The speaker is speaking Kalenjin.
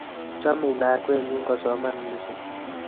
Chamei lakwennyu kosomani missing'